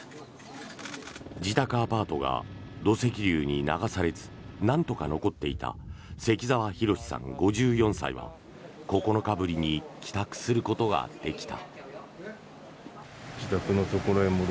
自宅アパートが土石流に流されずなんとか残っていた関澤浩さん、５４歳は９日ぶりに帰宅することができた。